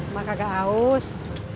mak kagak haus